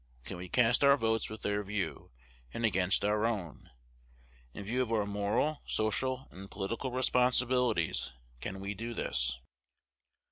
Can we cast our votes with their view, and against our own? In view of our moral, social, and political responsibilities, can we do this?